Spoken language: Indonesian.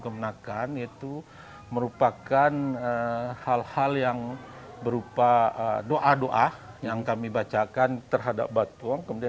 kemenakan itu merupakan hal hal yang berupa doa doa yang kami bacakan terhadap batuang kemudian